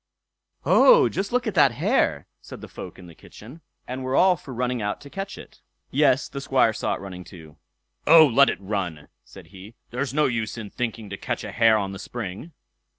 "Oh, just look at that hare!" said the folk in the kitchen, and were all for running out to catch it. Yes, the Squire saw it running too. "Oh, let it run", said he; "there's no use in thinking to catch a hare on the spring."